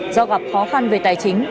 do gặp khó khăn về tài chính